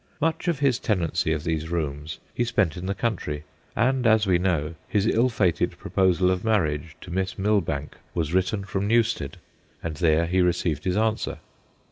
Much of his tenancy of these rooms he spent in the country, and, as we know, his ill fated proposal of marriage 98 THE GHOSTS OF PICCADILLY to Miss Milbanke was written from Nev stead, and there he received his answer.